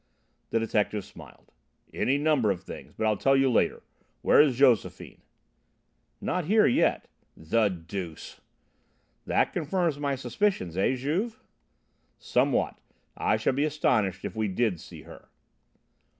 The detective smiled. "Any number of things. But I'll tell you later. Where is Josephine?" "Not here yet." "The deuce!" "That confirms my suspicions; eh, Juve?" "Somewhat. I should be astonished if we did see her."